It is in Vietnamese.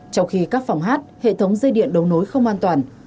trong khi các phòng hát hệ thống dây điện đấu nối không an toàn